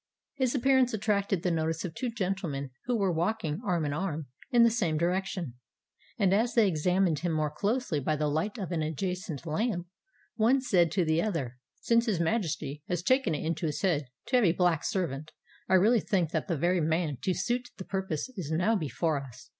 His appearance attracted the notice of two gentlemen who were walking arm in arm in the same direction; and, as they examined him more closely by the light of an adjacent lamp, one said to the other, "Since his Majesty has taken it into his head to have a black servant, I really think that the very man to suit the purpose is now before us.